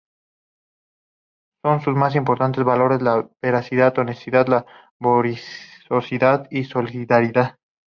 Son sus más importantes valores la Veracidad, Honestidad, Laboriosidad y Solidaridad.